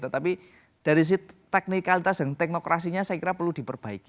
tetapi dari teknikalitas dan teknokrasinya saya kira perlu diperbaiki